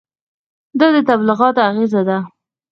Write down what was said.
دا د تبلیغاتو اغېزه ده.